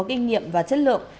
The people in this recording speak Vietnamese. kinh nghiệm và chất lượng